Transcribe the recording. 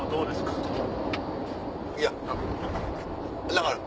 いやだから。